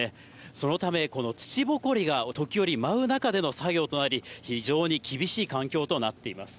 そのため、この土ぼこりが時折舞う中での作業となり、非常に厳しい環境となっています。